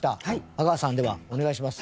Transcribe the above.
阿川さんではお願いします。